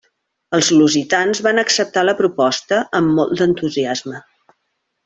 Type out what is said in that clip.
Els lusitans van acceptar la proposta amb molt d'entusiasme.